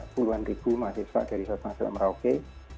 sepuluhan ribu mahasiswa dari satu masjid amrawke